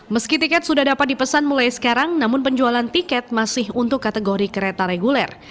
meski tiket sudah dapat dipesan mulai sekarang namun penjualan tiket masih untuk kategori kereta reguler